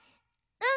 うん。